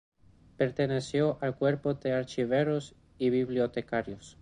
Perteneció al Cuerpo de Archiveros y Bibliotecarios.